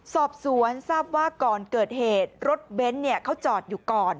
สอบสวนทราบว่าก่อนเกิดเหตุรถเบนท์เขาจอดอยู่ก่อน